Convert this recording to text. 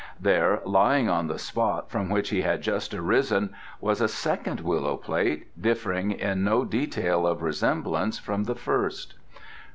There, lying on the spot from which he had just risen, was a second Willow plate, differing in no detail of resemblance from the first.